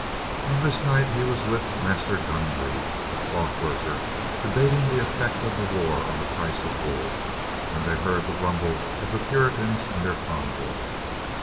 On this night he was with Master Goundrey, a cloth worker, debating the effect of the war on the price of wool, when they heard the rumble of the Puritans and their convoy.